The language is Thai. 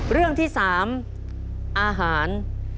เรื่องที่๓อาหาร